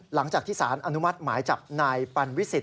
หลังจากที่สารอนุมัติหมายจับนายปันวิสิต